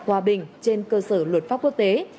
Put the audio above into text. hòa bình trên cơ sở luật pháp quốc tế